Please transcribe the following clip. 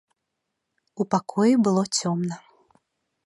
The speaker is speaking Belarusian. У пакоі было цёмна.